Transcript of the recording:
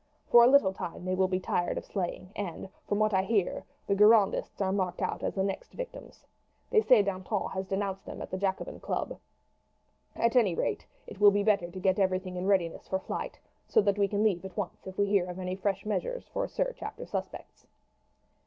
For a little time they will be tired of slaying; and, from what I hear, the Girondists are marked out as the next victims. They say Danton has denounced them at the Jacobin Club. At any rate it will be better to get everything in readiness for flight, so that we can leave at once if we hear of any fresh measures for a search after suspects."